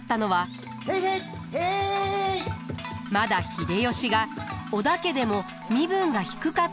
まだ秀吉が織田家でも身分が低かった頃だと考えられます。